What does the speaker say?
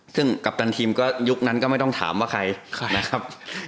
ซึ่งกัปตันทีมก็ยุคนั้นก็ไม่ต้องถามว่าใครนะครับ